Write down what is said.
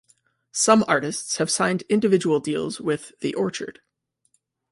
Some artists have signed individual deals with The Orchard.